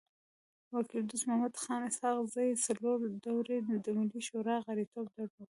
وکيل دوست محمد خان اسحق زی څلور دوري د ملي شورا غړیتوب درلود.